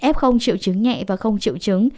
f triệu chứng nhẹ và không triệu chứng